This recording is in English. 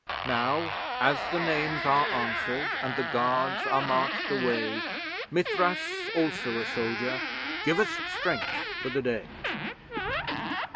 Now as the names are answered, and the guards are marched away, Mithras, also a soldier, give us strength for the day!